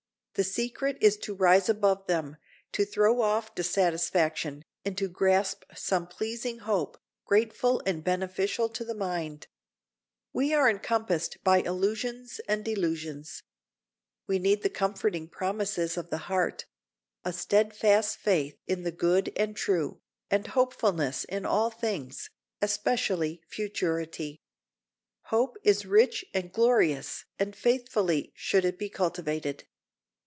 The secret is to rise above them, to throw off dissatisfaction, and to grasp some pleasing hope, grateful and beneficial to the mind. We are encompassed by illusions and delusions. We need the comforting promises of the heart—a steadfast faith in the good and true, and hopefulness in all things, especially of futurity. Hope is rich and glorious, and faithfully should it be cultivated.